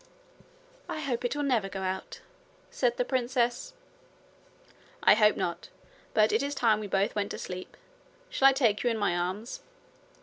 'I hope it will never go out,' said the princess. 'I hope not. But it is time we both went to sleep. Shall I take you in my arms?'